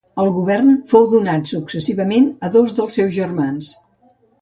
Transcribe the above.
El govern fou donat successivament a dos dels seus germans.